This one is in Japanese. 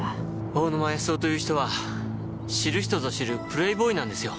大沼安雄という人は知る人ぞ知るプレイボーイなんですよ。